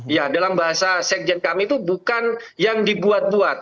ya dalam bahasa sekjen kami itu bukan yang dibuat buat